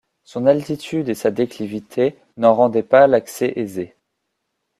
Son altitude et sa déclivité n'en rendaient pas l'accès aisé.